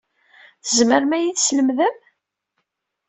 Tzemrem ad iyi-teslemdem?